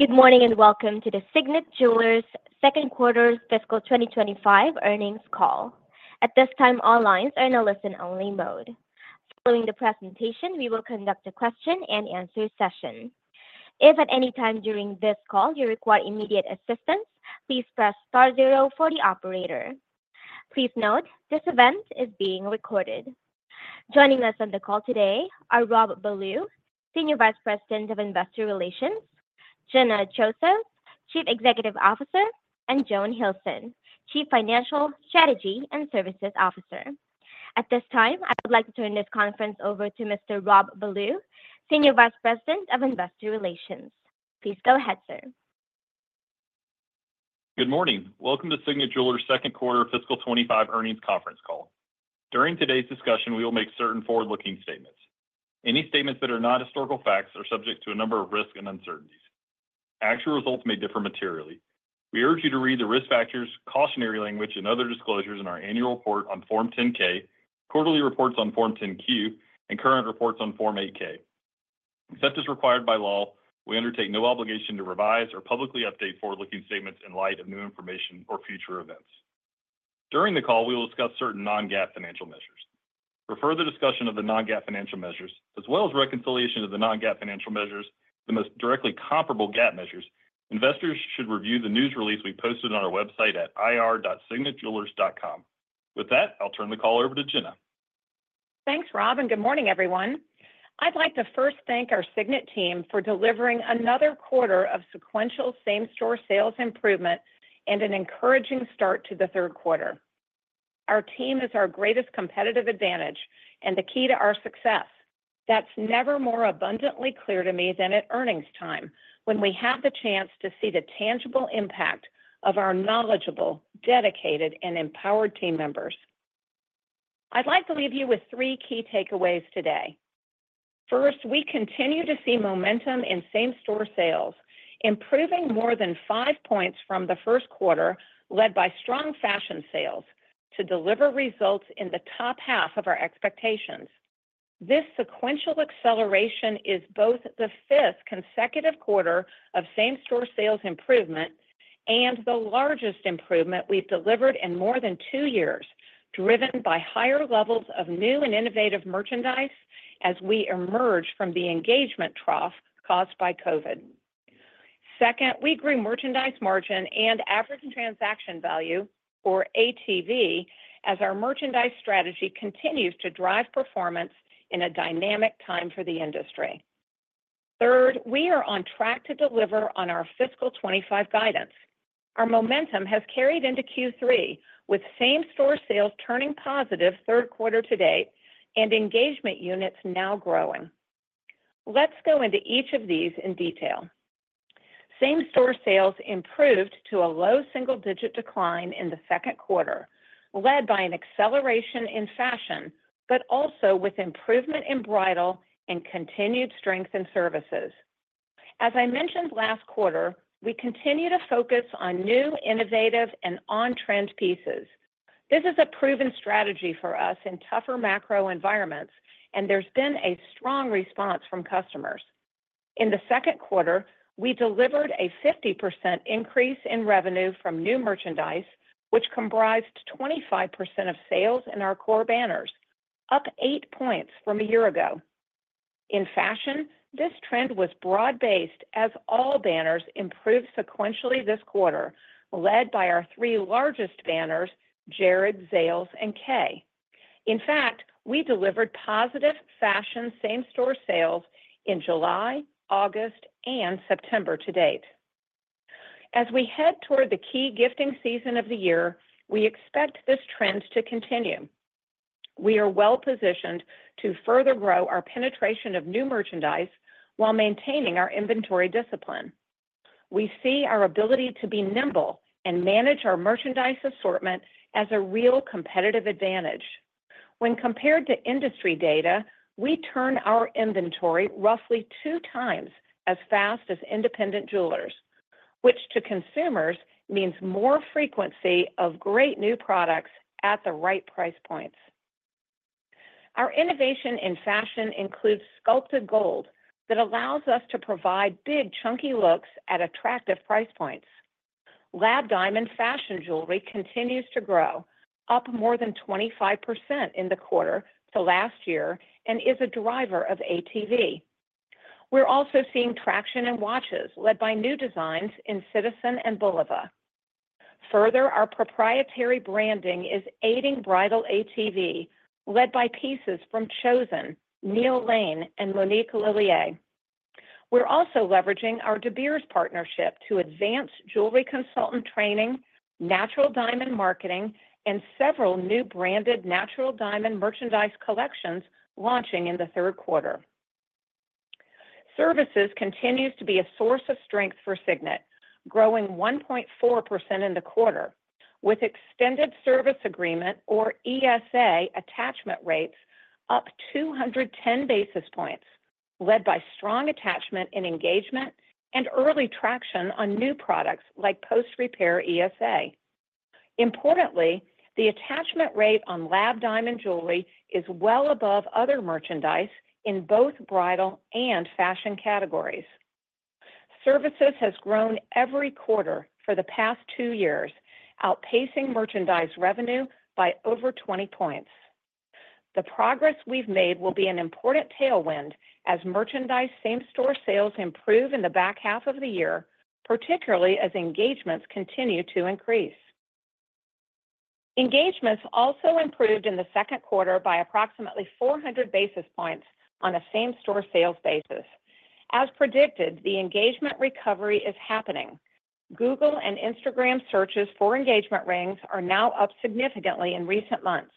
Good morning, and welcome to the Signet Jewelers Second Quarter Fiscal 2025 Earnings Call. At this time, all lines are in a listen-only mode. Following the presentation, we will conduct a question and answer session. If at any time during this call you require immediate assistance, please press star zero for the operator. Please note, this event is being recorded. Joining us on the call today are Rob Ballew, Senior Vice President of Investor Relations, Gina Drosos, Chief Executive Officer, and Joan Hilson, Chief Financial, Strategy, and Services Officer. At this time, I would like to turn this conference over to Mr. Rob Ballew, Senior Vice President of Investor Relations. Please go ahead, sir. Good morning. Welcome to Signet Jewelers second quarter fiscal 2025 earnings conference call. During today's discussion, we will make certain forward-looking statements. Any statements that are not historical facts are subject to a number of risks and uncertainties. Actual results may differ materially. We urge you to read the risk factors, cautionary language, and other disclosures in our annual report on Form 10-K, quarterly reports on Form 10-Q, and current reports on Form 8-K. Except as required by law, we undertake no obligation to revise or publicly update forward-looking statements in light of new information or future events. During the call, we will discuss certain non-GAAP financial measures. For further discussion of the non-GAAP financial measures, as well as reconciliation of the non-GAAP financial measures, the most directly comparable GAAP measures, investors should review the news release we posted on our website at ir.signetjewelers.com. With that, I'll turn the call over to Gina Drosos. Thanks, Rob, and good morning, everyone. I'd like to first thank our Signet team for delivering another quarter of sequential same-store sales improvement and an encouraging start to the third quarter. Our team is our greatest competitive advantage and the key to our success. That's never more abundantly clear to me than at earnings time, when we have the chance to see the tangible impact of our knowledgeable, dedicated, and empowered team members. I'd like to leave you with three key takeaways today. First, we continue to see momentum in same-store sales, improving more than five points from the first quarter, led by strong fashion sales, to deliver results in the top half of our expectations. This sequential acceleration is both the fifth consecutive quarter of same-store sales improvement and the largest improvement we've delivered in more than two years, driven by higher levels of new and innovative merchandise as we emerge from the engagement trough caused by COVID. Second, we grew merchandise margin and average transaction value, or ATV, as our merchandise strategy continues to drive performance in a dynamic time for the industry. Third, we are on track to deliver on our fiscal 2025 guidance. Our momentum has carried into Q3, with same-store sales turning positive third quarter to date and engagement units now growing. Let's go into each of these in detail. Same-store sales improved to a low single-digit decline in the second quarter, led by an acceleration in fashion, but also with improvement in bridal and continued strength in services. As I mentioned last quarter, we continue to focus on new, innovative, and on-trend pieces. This is a proven strategy for us in tougher macro environments, and there's been a strong response from customers. In the second quarter, we delivered a 50% increase in revenue from new merchandise, which comprised 25% of sales in our core banners, up eight points from a year ago. In fashion, this trend was broad-based as all banners improved sequentially this quarter, led by our three largest banners, Jared, Zales, and Kay. In fact, we delivered positive fashion same-store sales in July, August, and September to date. As we head toward the key gifting season of the year, we expect this trend to continue. We are well-positioned to further grow our penetration of new merchandise while maintaining our inventory discipline. We see our ability to be nimble and manage our merchandise assortment as a real competitive advantage. When compared to industry data, we turn our inventory roughly two times as fast as independent jewelers, which to consumers means more frequency of great new products at the right price points. Our innovation in fashion includes sculpted gold that allows us to provide big, chunky looks at attractive price points. Lab diamond fashion jewelry continues to grow, up more than 25% in the quarter to last year, and is a driver of ATV. We're also seeing traction in watches, led by new designs in Citizen and Bulova. Further, our proprietary branding is aiding bridal ATV, led by pieces from Chosen, Neil Lane, and Monique Lhuillier. We're also leveraging our De Beers partnership to advance jewelry consultant training, natural diamond marketing, and several new branded natural diamond merchandise collections launching in the third quarter. Services continues to be a source of strength for Signet, growing 1.4% in the quarter, with extended service agreement, or ESA, attachment rates up 210 basis points, led by strong attachment in engagement and early traction on new products like post-repair ESA. Importantly, the attachment rate on lab diamond jewelry is well above other merchandise in both bridal and fashion categories. Services has grown every quarter for the past two years, outpacing merchandise revenue by over 20 points. The progress we've made will be an important tailwind as merchandise same-store sales improve in the back half of the year, particularly as engagements continue to increase. Engagements also improved in the second quarter by approximately four hundred basis points on a same-store sales basis. As predicted, the engagement recovery is happening. Google and Instagram searches for engagement rings are now up significantly in recent months.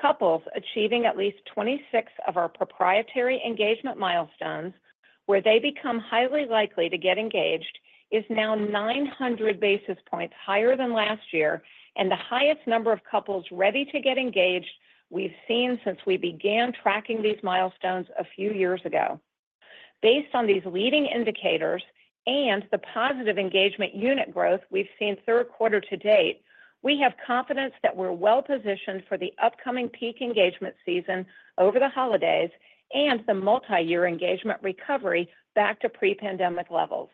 Couples achieving at least twenty-six of our proprietary engagement milestones, where they become highly likely to get engaged, is now nine hundred basis points higher than last year, and the highest number of couples ready to get engaged we've seen since we began tracking these milestones a few years ago. Based on these leading indicators and the positive engagement unit growth we've seen third quarter to date, we have confidence that we're well-positioned for the upcoming peak engagement season over the holidays and the multi-year engagement recovery back to pre-pandemic levels.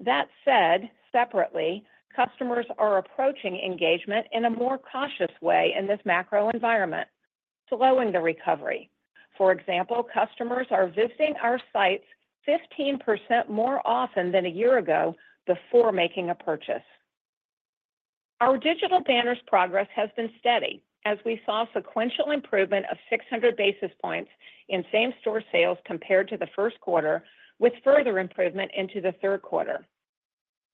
That said, separately, customers are approaching engagement in a more cautious way in this macro environment, slowing the recovery. For example, customers are visiting our sites 15% more often than a year ago before making a purchase. Our digital banners' progress has been steady, as we saw sequential improvement of 600 basis points in same-store sales compared to the first quarter, with further improvement into the third quarter.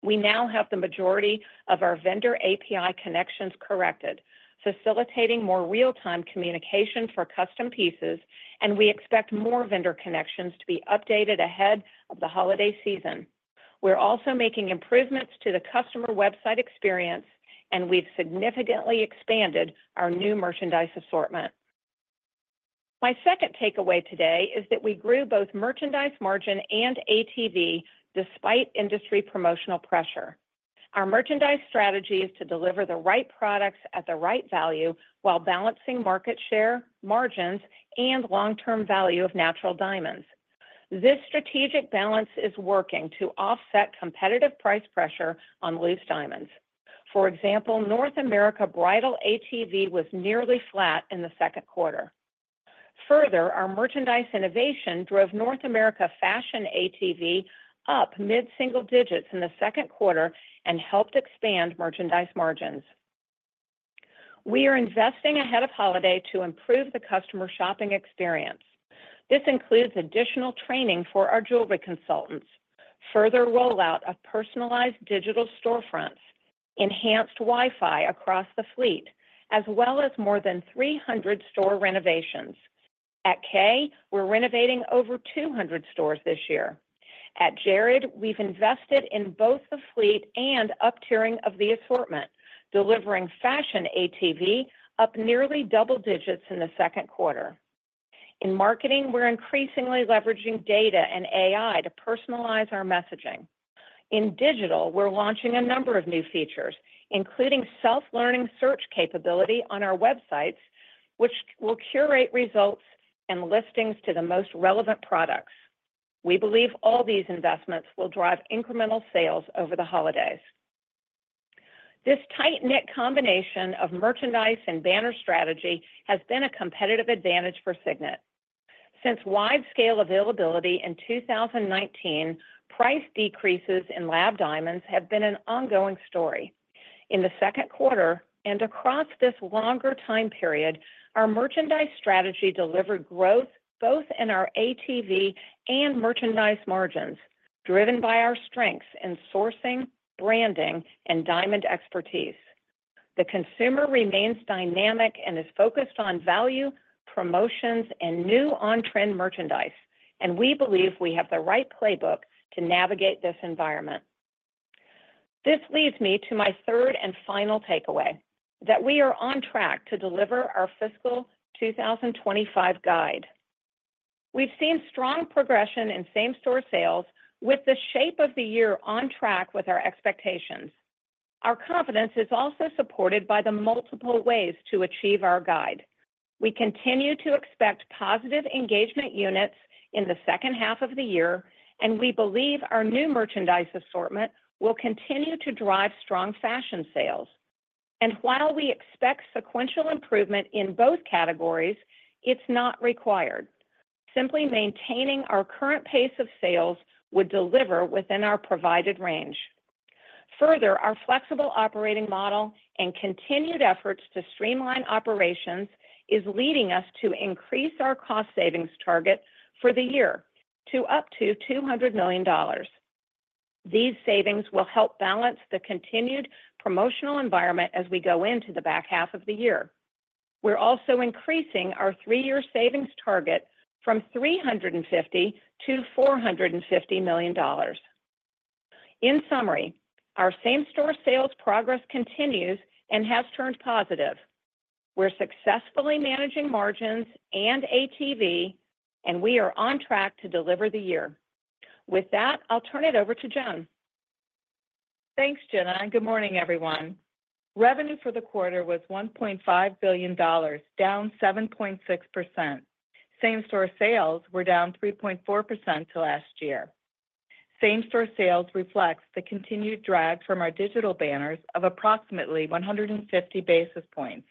We now have the majority of our vendor API connections corrected, facilitating more real-time communication for custom pieces, and we expect more vendor connections to be updated ahead of the holiday season. We're also making improvements to the customer website experience, and we've significantly expanded our new merchandise assortment. My second takeaway today is that we grew both merchandise margin and ATV despite industry promotional pressure. Our merchandise strategy is to deliver the right products at the right value while balancing market share, margins, and long-term value of natural diamonds. This strategic balance is working to offset competitive price pressure on loose diamonds. For example, North America bridal ATV was nearly flat in the second quarter. Further, our merchandise innovation drove North America fashion ATV up mid-single digits in the second quarter and helped expand merchandise margins. We are investing ahead of holiday to improve the customer shopping experience. This includes additional training for our jewelry consultants, further rollout of personalized digital storefronts, enhanced Wi-Fi across the fleet, as well as more than three hundred store renovations. At Kay, we're renovating over two hundred stores this year. At Jared, we've invested in both the fleet and uptiering of the assortment, delivering fashion ATV up nearly double digits in the second quarter. In marketing, we're increasingly leveraging data and AI to personalize our messaging. In digital, we're launching a number of new features, including self-learning search capability on our websites, which will curate results and listings to the most relevant products. We believe all these investments will drive incremental sales over the holidays. This tight-knit combination of merchandise and banner strategy has been a competitive advantage for Signet. Since wide-scale availability in two thousand and nineteen, price decreases in lab diamonds have been an ongoing story. In the second quarter, and across this longer time period, our merchandise strategy delivered growth both in our ATV and merchandise margins, driven by our strengths in sourcing, branding, and diamond expertise. The consumer remains dynamic and is focused on value, promotions, and new on-trend merchandise, and we believe we have the right playbook to navigate this environment. This leads me to my third and final takeaway, that we are on track to deliver our Fiscal 2025 guide. We've seen strong progression in same-store sales, with the shape of the year on track with our expectations. Our confidence is also supported by the multiple ways to achieve our guide. We continue to expect positive engagement units in the second half of the year, and we believe our new merchandise assortment will continue to drive strong fashion sales. While we expect sequential improvement in both categories, it's not required. Simply maintaining our current pace of sales would deliver within our provided range. Further, our flexible operating model and continued efforts to streamline operations is leading us to increase our cost savings target for the year to up to $200 million. These savings will help balance the continued promotional environment as we go into the back half of the year. We're also increasing our three-year savings target from $350 million to $450 million. In summary, our same-store sales progress continues and has turned positive. We're successfully managing margins and ATV, and we are on track to deliver the year. With that, I'll turn it over to Joan. Thanks, Gina, and good morning, everyone. Revenue for the quarter was $1.5 billion, down 7.6%. Same-store sales were down 3.4% to last year. Same-store sales reflects the continued drag from our digital banners of approximately 150 basis points.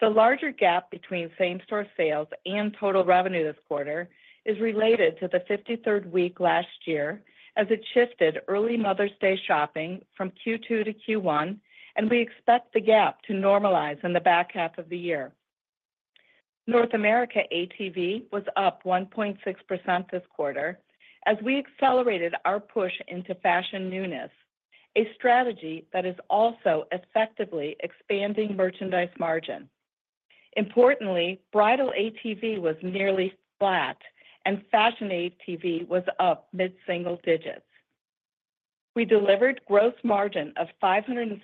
The larger gap between same-store sales and total revenue this quarter is related to the fifty-third week last year, as it shifted early Mother's Day shopping from Q2 to Q1, and we expect the gap to normalize in the back half of the year. North America ATV was up 1.6% this quarter as we accelerated our push into fashion newness, a strategy that is also effectively expanding merchandise margin. Importantly, bridal ATV was nearly flat, and fashion ATV was up mid-single digits. We delivered gross margin of $566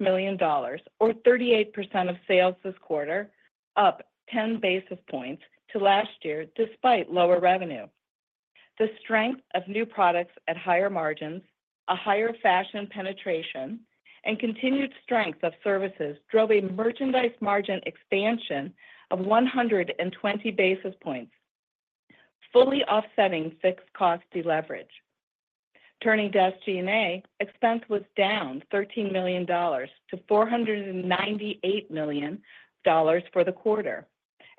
million or 38% of sales this quarter, up 10 basis points to last year, despite lower revenue. The strength of new products at higher margins, a higher fashion penetration, and continued strength of services drove a merchandise margin expansion of 120 basis points, fully offsetting fixed cost deleverage. Turning to SG&A, expense was down $13 million to $498 million for the quarter.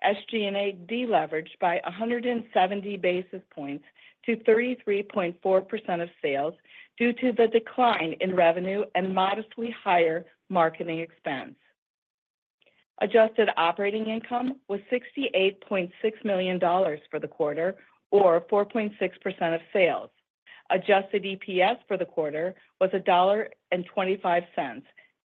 SG&A deleveraged by 170 basis points to 33.4% of sales due to the decline in revenue and modestly higher marketing expense. Adjusted operating income was $68.6 million for the quarter or 4.6% of sales. Adjusted EPS for the quarter was $1.25,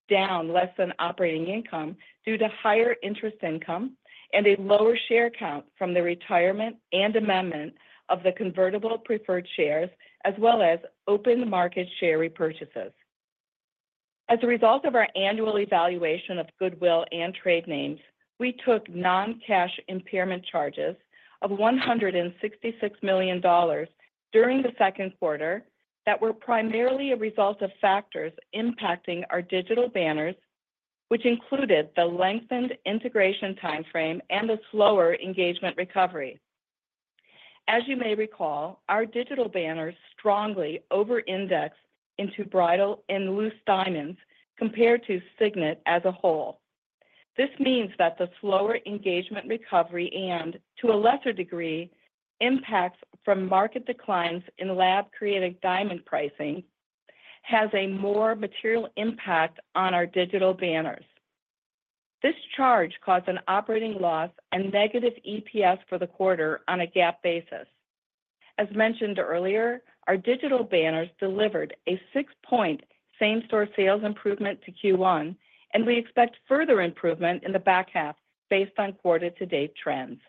down less than operating income due to higher interest income and a lower share count from the retirement and amendment of the convertible preferred shares, as well as open market share repurchases. As a result of our annual evaluation of goodwill and trade names, we took non-cash impairment charges of $166 million during the second quarter that were primarily a result of factors impacting our digital banners, which included the lengthened integration timeframe and a slower engagement recovery. As you may recall, our digital banners strongly over-indexed into bridal and loose diamonds compared to Signet as a whole. This means that the slower engagement recovery and, to a lesser degree, impacts from market declines in lab-created diamond pricing, has a more material impact on our digital banners. This charge caused an operating loss and negative EPS for the quarter on a GAAP basis. As mentioned earlier, our digital banners delivered a six-point same-store sales improvement to Q1, and we expect further improvement in the back half based on quarter-to-date trends.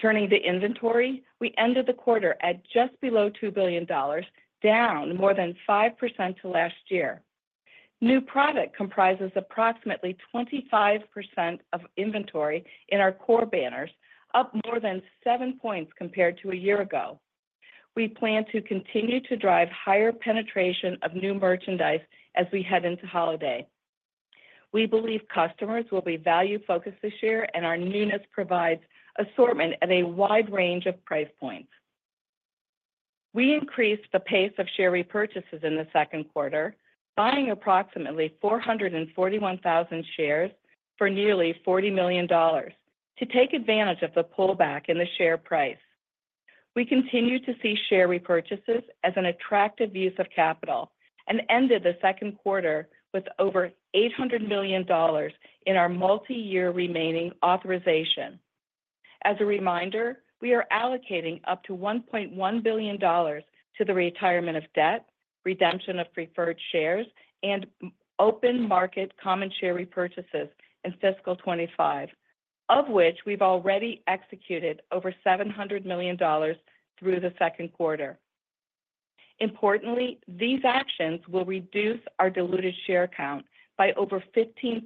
Turning to inventory, we ended the quarter at just below $2 billion, down more than 5% to last year. New product comprises approximately 25% of inventory in our core banners, up more than seven points compared to a year ago. We plan to continue to drive higher penetration of new merchandise as we head into holiday. We believe customers will be value-focused this year, and our newness provides assortment at a wide range of price points. We increased the pace of share repurchases in the second quarter, buying approximately 441,000 shares for nearly $40 million to take advantage of the pullback in the share price. We continue to see share repurchases as an attractive use of capital and ended the second quarter with over $800 million in our multi-year remaining authorization. As a reminder, we are allocating up to $1.1 billion to the retirement of debt, redemption of preferred shares, and open market common share repurchases in Fiscal 2025, of which we've already executed over $700 million through the second quarter. Importantly, these actions will reduce our diluted share count by over 15%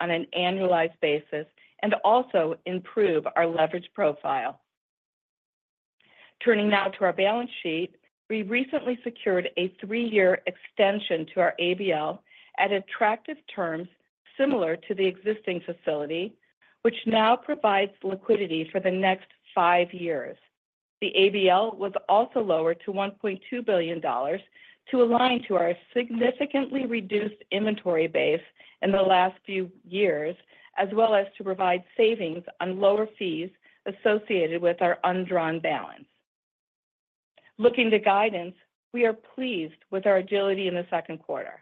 on an annualized basis and also improve our leverage profile. Turning now to our balance sheet, we recently secured a three-year extension to our ABL at attractive terms similar to the existing facility, which now provides liquidity for the next five years. The ABL was also lowered to $1.2 billion to align to our significantly reduced inventory base in the last few years, as well as to provide savings on lower fees associated with our undrawn balance. Looking to guidance, we are pleased with our agility in the second quarter,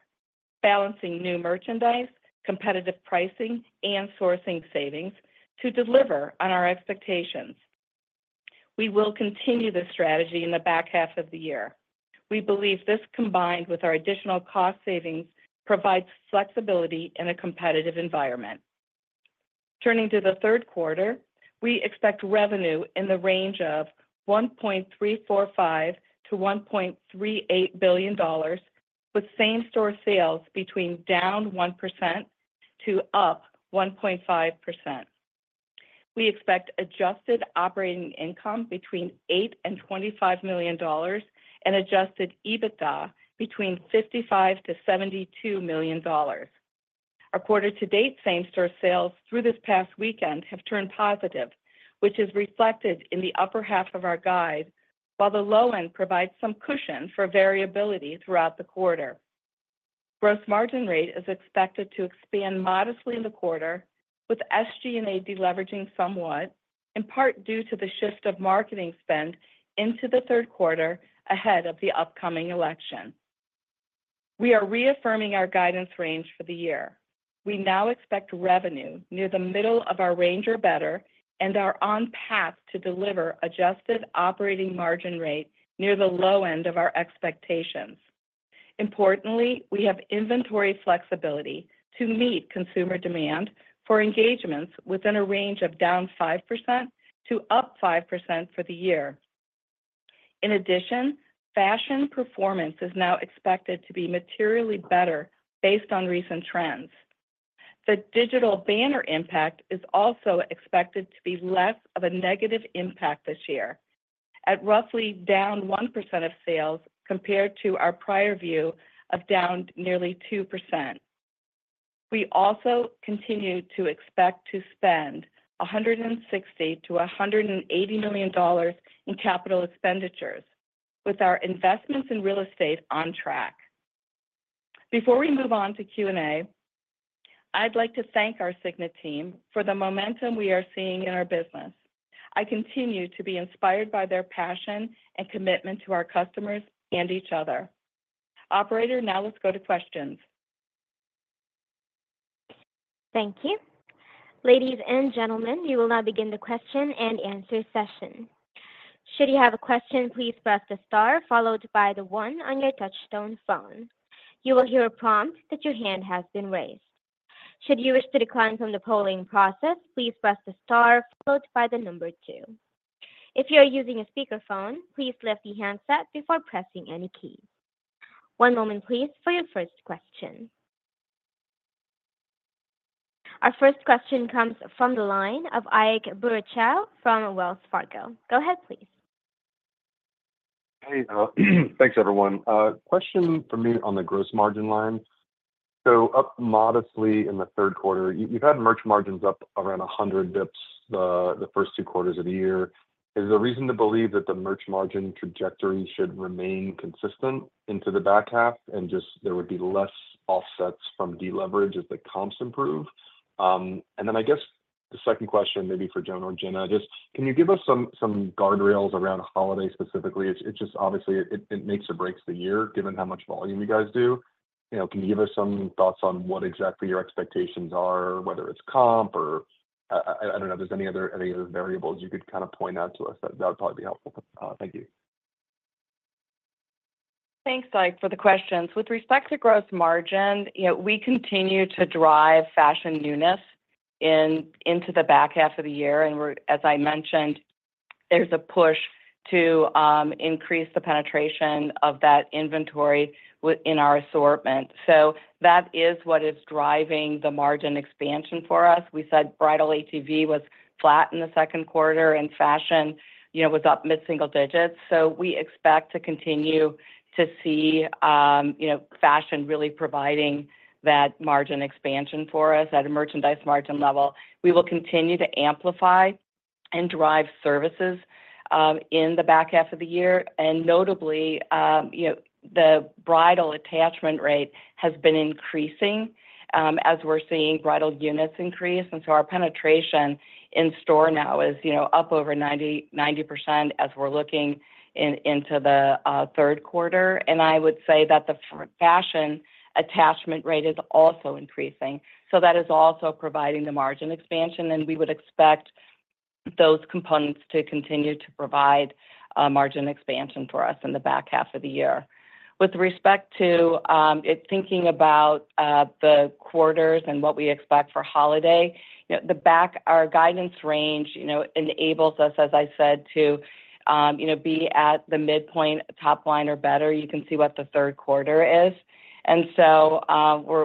balancing new merchandise, competitive pricing, and sourcing savings to deliver on our expectations. We will continue this strategy in the back half of the year. We believe this, combined with our additional cost savings, provides flexibility in a competitive environment.... Turning to the third quarter, we expect revenue in the range of $1.345 billion-$1.38 billion, with same-store sales between down 1% to up 1.5%. We expect adjusted operating income between $8 million and $25 million and adjusted EBITDA between $55 million-$72 million. Our quarter to date same-store sales through this past weekend have turned positive, which is reflected in the upper half of our guide, while the low end provides some cushion for variability throughout the quarter. Gross margin rate is expected to expand modestly in the quarter, with SG&A deleveraging somewhat, in part due to the shift of marketing spend into the third quarter ahead of the upcoming election. We are reaffirming our guidance range for the year. We now expect revenue near the middle of our range or better, and are on track to deliver adjusted operating margin rate near the low end of our expectations. Importantly, we have inventory flexibility to meet consumer demand for engagements within a range of down 5% to up 5% for the year. In addition, fashion performance is now expected to be materially better based on recent trends. The digital banner impact is also expected to be less of a negative impact this year, at roughly down 1% of sales compared to our prior view of down nearly 2%. We also continue to expect to spend $160 million-$180 million in capital expenditures, with our investments in real estate on track. Before we move on to Q&A, I'd like to thank our Signet team for the momentum we are seeing in our business. I continue to be inspired by their passion and commitment to our customers and each other. Operator, now let's go to questions. Thank you. Ladies and gentlemen, you will now begin the question and answer session. Should you have a question, please press the star followed by the one on your touchtone phone. You will hear a prompt that your hand has been raised. Should you wish to decline from the polling process, please press the star followed by the number two. If you are using a speakerphone, please lift the handset before pressing any key. One moment, please, for your first question. Our first question comes from the line of Ike Boruchow from Wells Fargo. Go ahead, please. Hey, thanks, everyone. Question for me on the gross margin line. So up modestly in the third quarter, you've had merch margins up around a hundred basis points, the first two quarters of the year. Is there a reason to believe that the merch margin trajectory should remain consistent into the back half, and just there would be less offsets from deleverage as the comps improve? And then I guess the second question, maybe for Joan or Gina, just can you give us some guardrails around holiday specifically? It's just obviously it makes or breaks the year, given how much volume you guys do. You know, can you give us some thoughts on what exactly your expectations are, whether it's comp or... I don't know if there's any other variables you could kind of point out to us, that would probably be helpful. Thank you. Thanks, Ike, for the questions. With respect to gross margin, you know, we continue to drive fashion newness into the back half of the year, and we're, as I mentioned, there's a push to increase the penetration of that inventory within our assortment. So that is what is driving the margin expansion for us. We said bridal ATV was flat in the second quarter, and fashion, you know, was up mid-single digits. So we expect to continue to see, you know, fashion really providing that margin expansion for us at a merchandise margin level. We will continue to amplify and drive services in the back half of the year. And notably, you know, the bridal attachment rate has been increasing, as we're seeing bridal units increase, and so our penetration in store now is, you know, up over 90-90% as we're looking into the third quarter. And I would say that the fashion attachment rate is also increasing, so that is also providing the margin expansion, and we would expect those components to continue to provide margin expansion for us in the back half of the year. With respect to thinking about the quarters and what we expect for holiday, you know, our guidance range, you know, enables us, as I said, to, you know, be at the midpoint top line or better. You can see what the third quarter is. And so,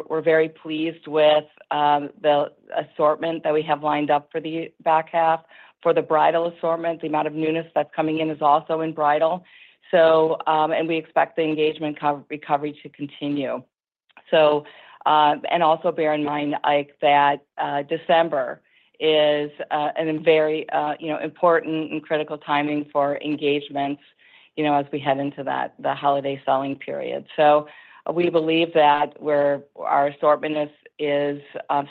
we're very pleased with the assortment that we have lined up for the back half. For the bridal assortment, the amount of newness that's coming in is also in bridal. So, and we expect the engagement recovery to continue. So, and also bear in mind, Ike, that December is a very you know important and critical timing for engagements, you know, as we head into that, the holiday selling period. So we believe that our assortment is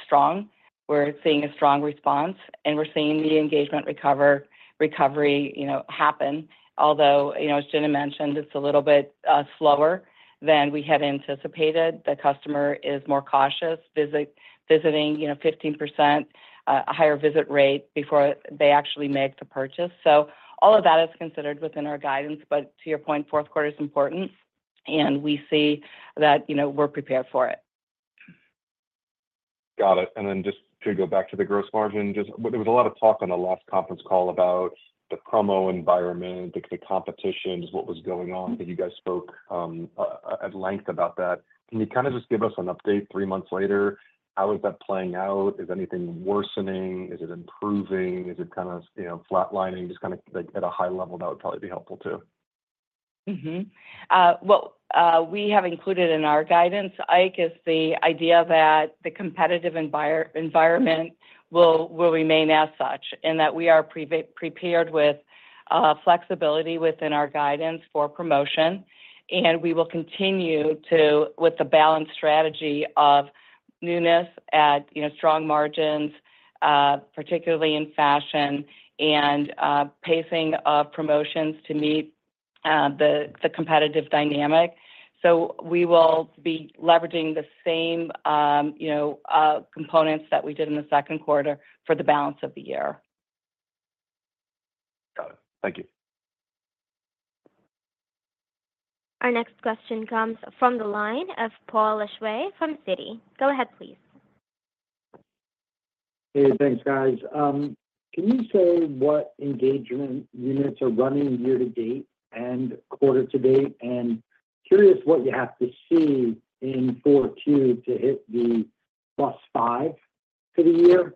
strong. We're seeing a strong response, and we're seeing the engagement recovery you know happen. Although, you know, as Gina mentioned, it's a little bit slower than we had anticipated. The customer is more cautious, visiting you know 15% a higher visit rate before they actually make the purchase. So all of that is considered within our guidance, but to your point, fourth quarter is important, and we see that, you know, we're prepared for it. Got it. And then just to go back to the gross margin, just, well, there was a lot of talk on the last conference call about the promo environment, the competitions, what was going on, that you guys spoke at length about that. Can you kind of just give us an update three months later? How is that playing out? Is anything worsening? Is it improving? Is it kind of, you know, flatlining? Just kind of like at a high level, that would probably be helpful, too. Well, we have included in our guidance, Ike, is the idea that the competitive environment will remain as such, and that we are prepared with flexibility within our guidance for promotion. We will continue to, with the balanced strategy of newness at, you know, strong margins, particularly in fashion and pacing of promotions to meet the competitive dynamic. We will be leveraging the same, you know, components that we did in the second quarter for the balance of the year. Got it. Thank you. Our next question comes from the line of Paul Lejuez from Citi. Go ahead, please. Hey, thanks, guys. Can you say what engagement units are running year to date and quarter to date? And curious what you have to see in Q4 to hit the +5% for the year.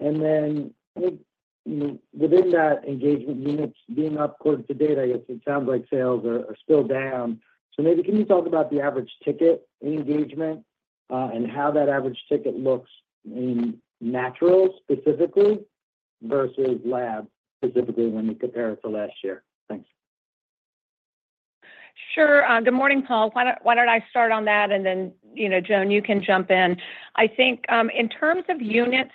And then, I think, within that engagement units being up quarter to date, I guess it sounds like sales are still down. So maybe can you talk about the average ticket in engagement, and how that average ticket looks in naturals specifically versus lab, specifically when you compare it to last year? Thanks. Sure. Good morning, Paul. Why don't I start on that, and then, you know, Joan, you can jump in. I think, in terms of units,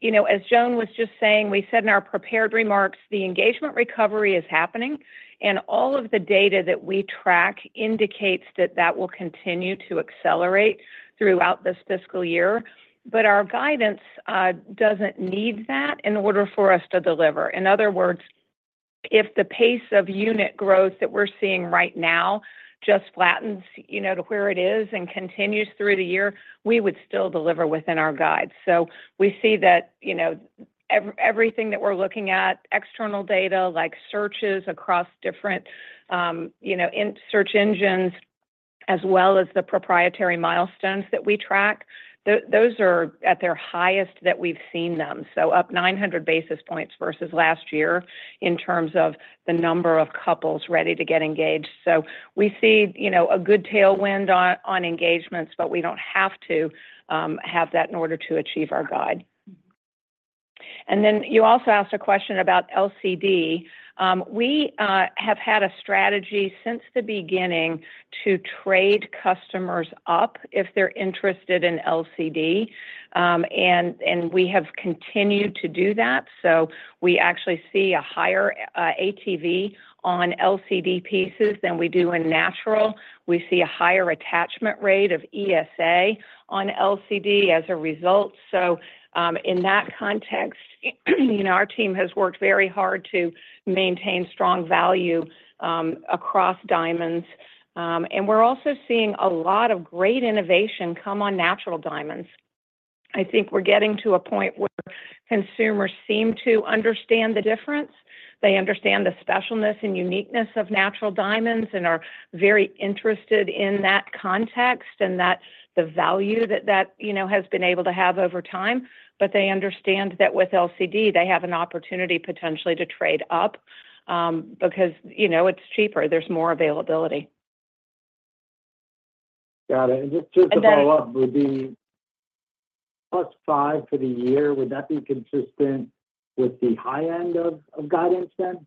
you know, as Joan was just saying, we said in our prepared remarks, the engagement recovery is happening, and all of the data that we track indicates that that will continue to accelerate throughout this fiscal year. But our guidance doesn't need that in order for us to deliver. In other words, if the pace of unit growth that we're seeing right now just flattens, you know, to where it is and continues through the year, we would still deliver within our guide. So we see that, you know, everything that we're looking at, external data like searches across different, you know, in search engines, as well as the proprietary milestones that we track, those are at their highest that we've seen them, so up 900 basis points versus last year in terms of the number of couples ready to get engaged. So we see, you know, a good tailwind on engagements, but we don't have to have that in order to achieve our guide. And then you also asked a question about LCD. We have had a strategy since the beginning to trade customers up if they're interested in LCD, and we have continued to do that. So we actually see a higher ATV on LCD pieces than we do in natural. We see a higher attachment rate of ESA on LCD as a result. So, in that context, you know, our team has worked very hard to maintain strong value across diamonds. And we're also seeing a lot of great innovation come on natural diamonds. I think we're getting to a point where consumers seem to understand the difference. They understand the specialness and uniqueness of natural diamonds and are very interested in that context, and that's the value that you know has been able to have over time. But they understand that with LCD, they have an opportunity potentially to trade up, because you know it's cheaper. There's more availability. Got it. And then- And just to follow up, would be plus five for the year, would that be consistent with the high end of guidance then?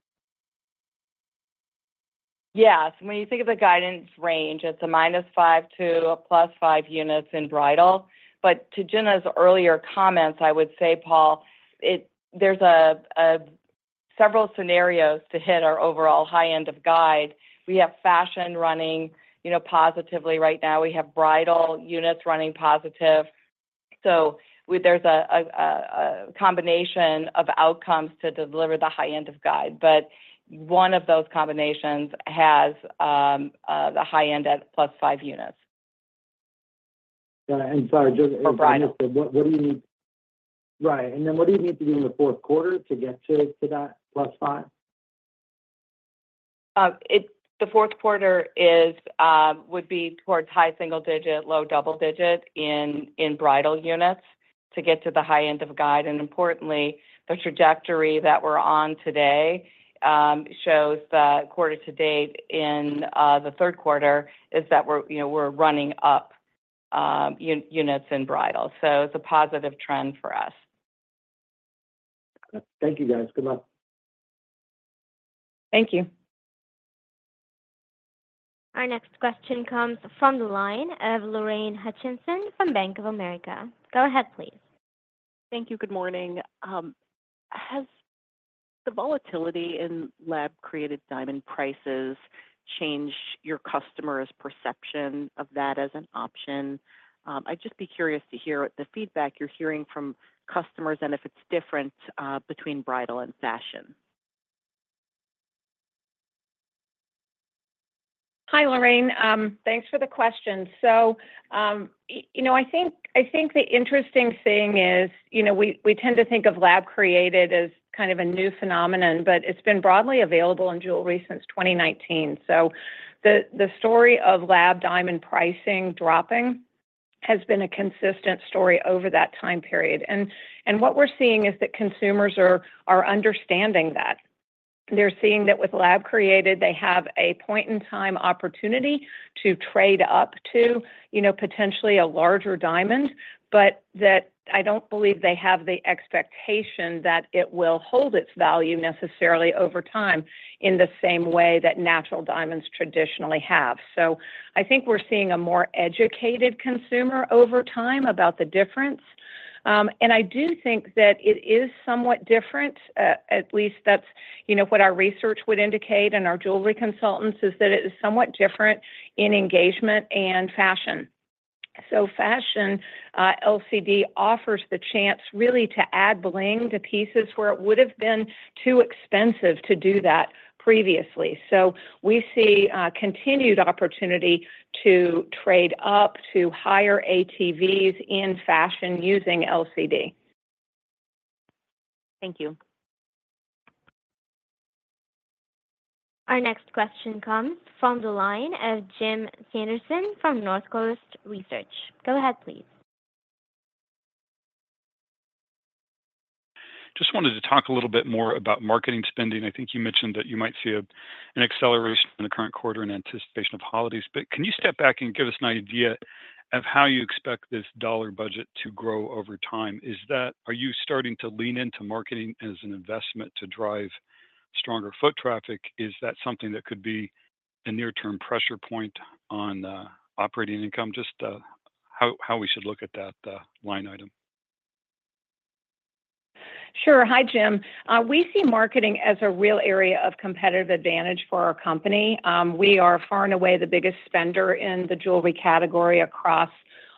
Yes. When you think of the guidance range, it's a minus five to a plus five units in bridal. But to Gina's earlier comments, I would say, Paul, there's several scenarios to hit our overall high end of guide. We have fashion running, you know, positively right now. We have bridal units running positive. So there's a combination of outcomes to deliver the high end of guide, but one of those combinations has the high end at plus five units. Got it and sorry, just- For bridal What do you need? Right. And then what do you need to do in the fourth quarter to get to that plus five? It's the fourth quarter would be towards high single digit, low double digit in bridal units to get to the high end of guide. Importantly, the trajectory that we're on today shows that quarter to date in the third quarter is that we're, you know, we're running up units in bridal. So it's a positive trend for us. Thank you, guys. Good luck. Thank you. Our next question comes from the line of Lorraine Hutchinson from Bank of America. Go ahead, please. Thank you. Good morning. Has the volatility in lab-created diamond prices changed your customers' perception of that as an option? I'd just be curious to hear the feedback you're hearing from customers and if it's different between bridal and fashion. ... Hi, Lorraine. Thanks for the question. So, you know, I think the interesting thing is, you know, we tend to think of lab-created as kind of a new phenomenon, but it's been broadly available in jewelry since 2019. So the story of lab diamond pricing dropping has been a consistent story over that time period. And what we're seeing is that consumers are understanding that. They're seeing that with lab-created, they have a point-in-time opportunity to trade up to, you know, potentially a larger diamond. But that I don't believe they have the expectation that it will hold its value necessarily over time in the same way that natural diamonds traditionally have. So I think we're seeing a more educated consumer over time about the difference. And I do think that it is somewhat different, at least that's, you know, what our research would indicate and our jewelry consultants, is that it is somewhat different in engagement and fashion. So fashion, LCD offers the chance really to add bling to pieces where it would've been too expensive to do that previously. So we see, continued opportunity to trade up to higher ATVs in fashion using LCD. Thank you. Our next question comes from the line of Jim Sanderson from North Coast Research. Go ahead, please. Just wanted to talk a little bit more about marketing spending. I think you mentioned that you might see an acceleration in the current quarter in anticipation of holidays. But can you step back and give us an idea of how you expect this dollar budget to grow over time? Are you starting to lean into marketing as an investment to drive stronger foot traffic? Is that something that could be a near-term pressure point on operating income? Just how we should look at that line item. Sure. Hi, Jim. We see marketing as a real area of competitive advantage for our company. We are far and away the biggest spender in the jewelry category across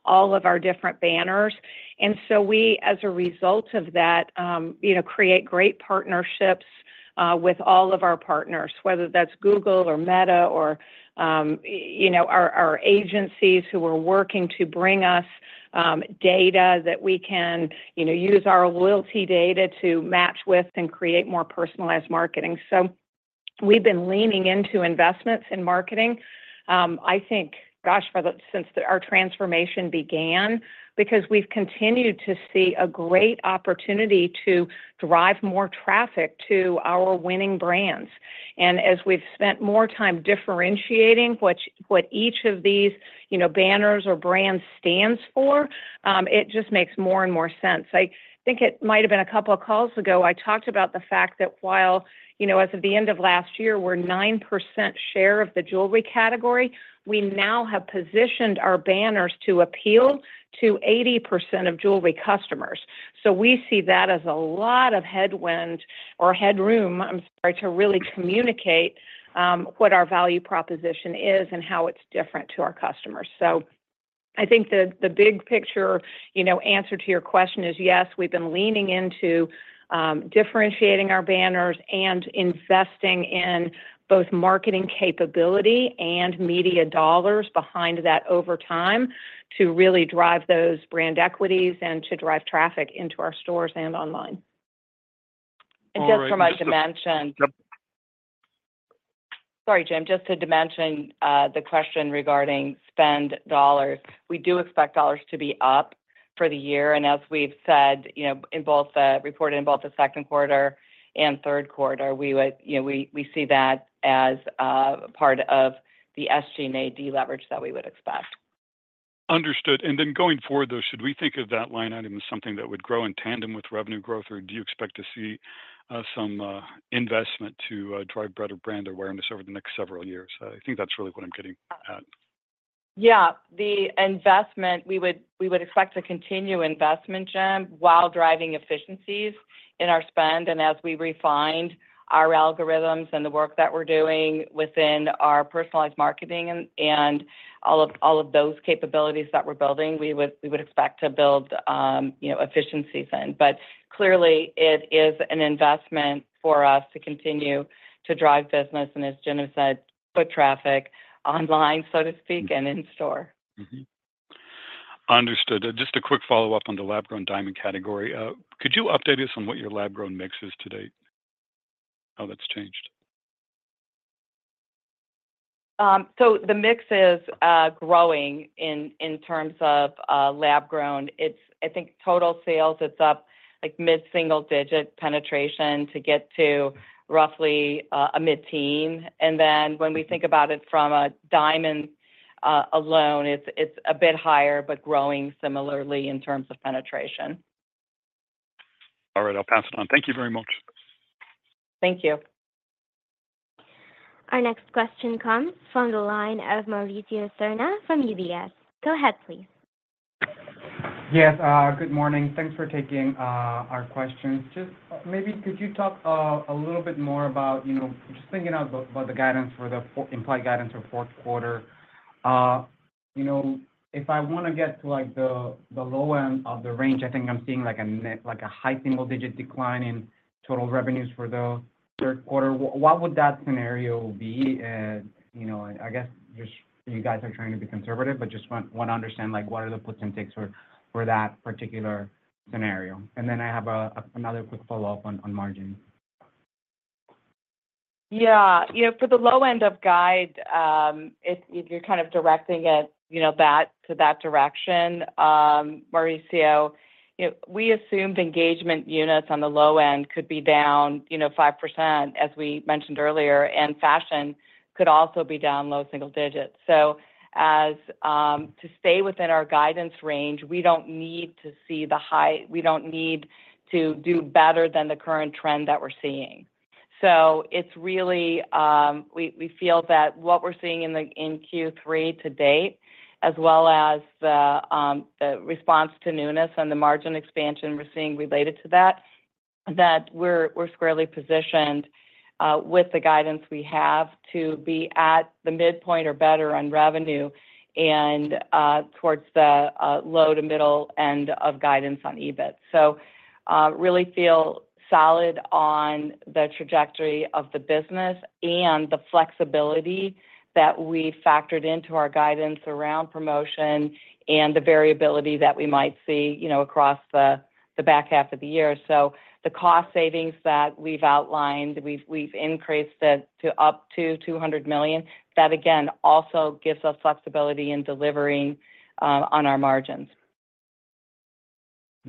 all of our different banners, and so we, as a result of that, you know, create great partnerships with all of our partners, whether that's Google, or Meta, or you know, our agencies who are working to bring us data that we can, you know, use our loyalty data to match with and create more personalized marketing, so we've been leaning into investments in marketing, I think, gosh, since our transformation began, because we've continued to see a great opportunity to drive more traffic to our winning brands. As we've spent more time differentiating what each of these, you know, banners or brands stands for, it just makes more and more sense. I think it might have been a couple of calls ago, I talked about the fact that while, you know, as of the end of last year, we're 9% share of the jewelry category, we now have positioned our banners to appeal to 80% of jewelry customers. So we see that as a lot of headwind or headroom, I'm sorry, to really communicate what our value proposition is and how it's different to our customers. So I think the big picture, you know, answer to your question is, yes, we've been leaning into differentiating our banners and investing in both marketing capability and media dollars behind that over time, to really drive those brand equities and to drive traffic into our stores and online. And just from a dimension- Yep. Sorry, Jim. Just to dimension the question regarding spend dollars. We do expect dollars to be up for the year, and as we've said, you know, in both the report in both the second quarter and third quarter, we would, you know, we see that as part of the SG&A deleverage that we would expect. Understood. And then going forward, though, should we think of that line item as something that would grow in tandem with revenue growth, or do you expect to see some investment to drive better brand awareness over the next several years? I think that's really what I'm getting at. Yeah. The investment, we would expect to continue investment, Jim, while driving efficiencies in our spend. And as we refined our algorithms and the work that we're doing within our personalized marketing and all of those capabilities that we're building, we would expect to build, you know, efficiencies in. But clearly, it is an investment for us to continue to drive business, and as Gina said, foot traffic online, so to speak, and in store. Mm-hmm. Understood. Just a quick follow-up on the lab-grown diamond category. Could you update us on what your lab-grown mix is to date? How that's changed? So the mix is growing in terms of lab grown. It's I think total sales, it's up like mid-single digit penetration to get to roughly a mid-teen. And then when we think about it from a diamond alone, it's a bit higher, but growing similarly in terms of penetration. All right, I'll pass it on. Thank you very much. Thank you. Our next question comes from the line of Mauricio Serna from UBS. Go ahead, please. Yes, good morning. Thanks for taking our questions. Just maybe could you talk a little bit more about, you know, just thinking about the implied guidance for fourth quarter.... you know, if I wanna get to, like, the low end of the range, I think I'm seeing, like, a net, like, a high single-digit decline in total revenues for the third quarter. What would that scenario be? And, you know, I guess just you guys are trying to be conservative, but just wanna understand, like, what are the puts and takes for that particular scenario. And then I have another quick follow-up on margin. Yeah. You know, for the low end of guide, if you're kind of directing it, you know, that, to that direction, Mauricio, you know, we assumed engagement units on the low end could be down 5%, as we mentioned earlier, and fashion could also be down low single digits. So as to stay within our guidance range, we don't need to do better than the current trend that we're seeing. So it's really, we feel that what we're seeing in Q3 to date, as well as the response to newness and the margin expansion we're seeing related to that, that we're squarely positioned with the guidance we have to be at the midpoint or better on revenue and towards the low to middle end of guidance on EBIT. So really feel solid on the trajectory of the business and the flexibility that we factored into our guidance around promotion and the variability that we might see, you know, across the back half of the year. So the cost savings that we've outlined, we've increased it to up to $200 million. That, again, also gives us flexibility in delivering on our margins.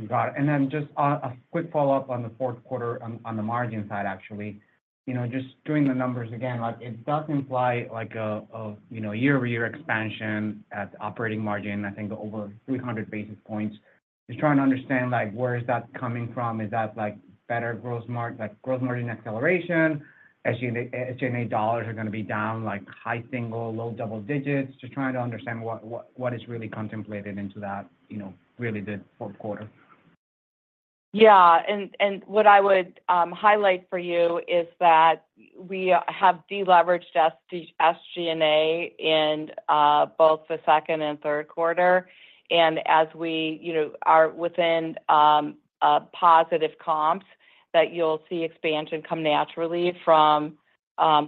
Got it. And then just a quick follow-up on the fourth quarter on the margin side, actually. You know, just doing the numbers again, like, it does imply like a, you know, year-over-year expansion at operating margin, I think over three hundred basis points. Just trying to understand, like, where is that coming from? Is that, like, better gross margin, like, gross margin acceleration, as SG&A dollars are gonna be down, like, high single, low double digits? Just trying to understand what is really contemplated into that, you know, really the fourth quarter. Yeah, and what I would highlight for you is that we have deleveraged SG&A in both the second and third quarter. And as we, you know, are within a positive comps, that you'll see expansion come naturally from,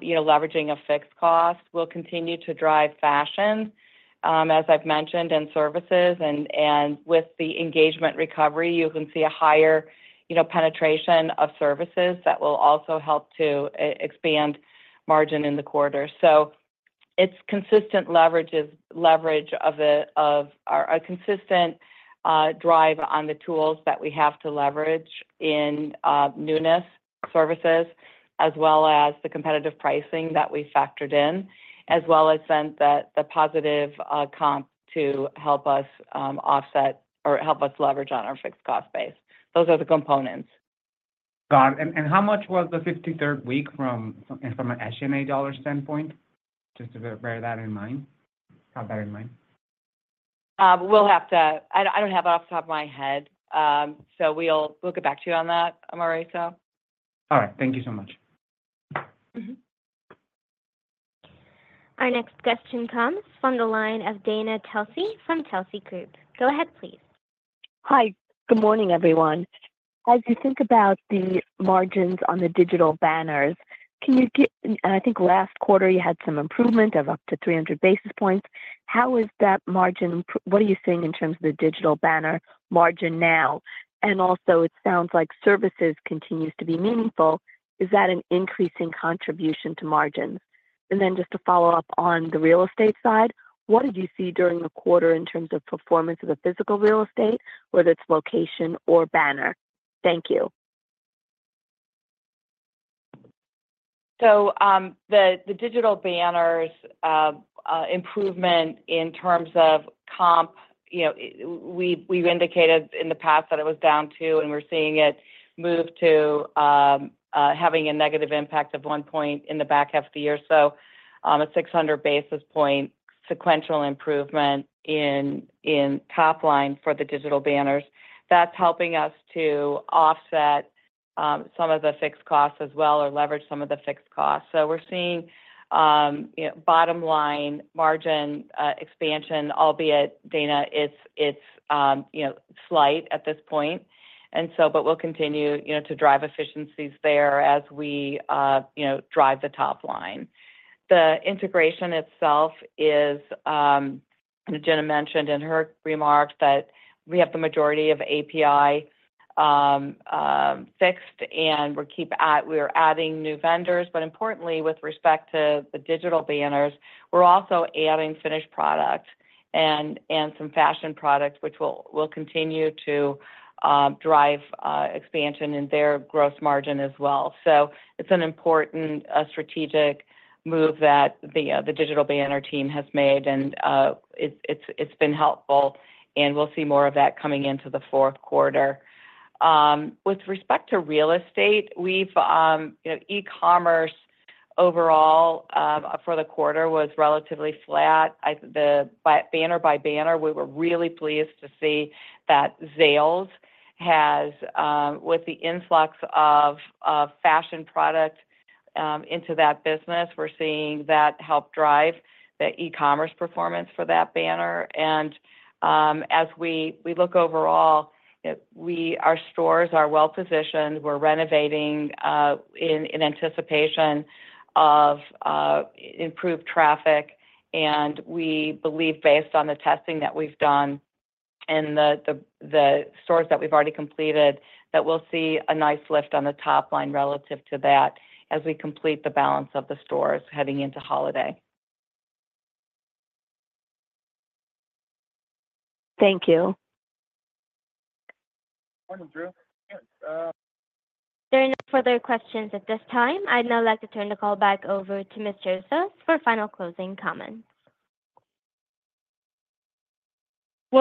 you know, leveraging a fixed cost. We'll continue to drive fashion as I've mentioned, and services, and with the engagement recovery, you can see a higher, you know, penetration of services that will also help to expand margin in the quarter. So it's consistent leverage of the. A consistent drive on the tools that we have to leverage in newness, services, as well as the competitive pricing that we factored in, as well as in the positive comp to help us offset or help us leverage on our fixed cost base. Those are the components. Got it. And how much was the fifty-third week from an SG&A dollar standpoint? Just to bear that in mind, have that in mind. I don't have it off the top of my head. So we'll get back to you on that, Mauricio. All right. Thank you so much. Mm-hmm. Our next question comes from the line of Dana Telsey from Telsey Group. Go ahead, please. Hi. Good morning, everyone. As you think about the margins on the digital banners, can you give? I think last quarter you had some improvement of up to three hundred basis points. How is that margin? What are you seeing in terms of the digital banner margin now? And also, it sounds like services continues to be meaningful. Is that an increasing contribution to margins? And then just to follow up on the real estate side, what did you see during the quarter in terms of performance of the physical real estate, whether it's location or banner? Thank you. So, the digital banners improvement in terms of comp, you know, we've indicated in the past that it was down 2, and we're seeing it move to having a negative impact of 1 point in the back half of the year. So, a 600 basis point sequential improvement in top line for the digital banners. That's helping us to offset some of the fixed costs as well, or leverage some of the fixed costs. So we're seeing, you know, bottom line margin expansion, albeit, Dana, it's slight at this point, and so but we'll continue, you know, to drive efficiencies there as we drive the top line. The integration itself is, Gina mentioned in her remarks that we have the majority of API fixed, and we are adding new vendors. But importantly, with respect to the digital banners, we're also adding finished product and some fashion products, which will continue to drive expansion in their gross margin as well. So it's an important strategic move that the digital banner team has made, and it's been helpful, and we'll see more of that coming into the fourth quarter. With respect to real estate, we've, you know, e-commerce overall for the quarter was relatively flat. I. The... Banner by banner, we were really pleased to see that Zales has with the influx of fashion product into that business, we're seeing that help drive the e-commerce performance for that banner. As we look overall, our stores are well positioned. We're renovating in anticipation of improved traffic, and we believe, based on the testing that we've done and the stores that we've already completed, that we'll see a nice lift on the top line relative to that as we complete the balance of the stores heading into holiday. Thank you. Same to you. There are no further questions at this time. I'd now like to turn the call back over to Gina Drosos for final closing comments.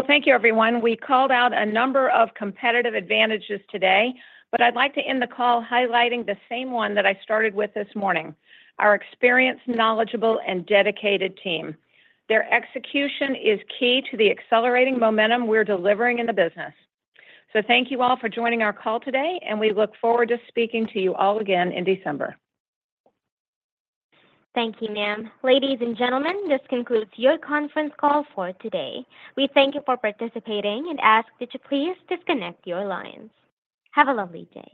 Thank you, everyone. We called out a number of competitive advantages today, but I'd like to end the call highlighting the same one that I started with this morning: our experienced, knowledgeable, and dedicated team. Their execution is key to the accelerating momentum we're delivering in the business. Thank you all for joining our call today, and we look forward to speaking to you all again in December. Thank you, ma'am. Ladies and gentlemen, this concludes your conference call for today. We thank you for participating and ask that you please disconnect your lines. Have a lovely day.